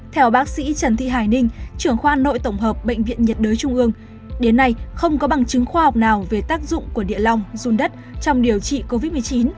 theo bác sĩ trần thị hải ninh trưởng khoa nội tổng hợp bệnh viện nhiệt đới trung ương đến nay không có bằng chứng khoa học nào về tác dụng của địa long run đất trong điều trị covid một mươi chín